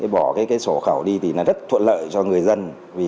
bỏ sổ khẩu đi rất thuận lợi cho người dân